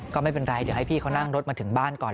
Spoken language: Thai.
ก็ไม่เป็นไรเดี๋ยวให้พี่เขานั่งรถมาถึงบ้านก่อน